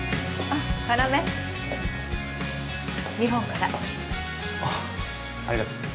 あっありがとう。